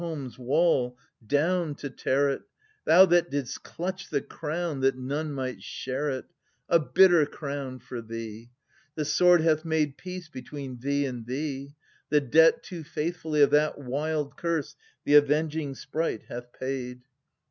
i) Thou that didst clutch thine home's wall, down to tear it, 880 Thou that didst clutch the crown, that none might share it — A bitter crown for thee !— the sword hath made Peace between thee and thee : the debt too faithfully Of that wild Curse the Avenging Sprite hath paid.